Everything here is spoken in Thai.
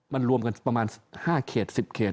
มันรวมกันประมาณ๕เขต๑๐เขต